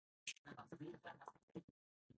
女の嘘は許すのが男だ